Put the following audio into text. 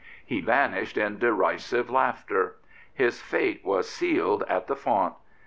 He vanished in derisive laughter. His fate was sealed at the font.